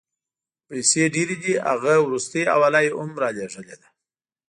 پیسې ډېرې دي، هغه وروستۍ حواله یې هم رالېږلې ده.